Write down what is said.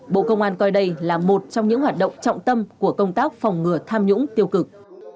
bộ công an coi đây là một trong những hoạt động trọng tâm của công tác phòng ngừa tham nhũng tiêu cực